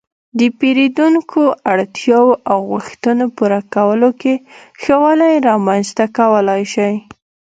-د پېرېدونکو اړتیاو او غوښتنو پوره کولو کې ښه والی رامنځته کولای شئ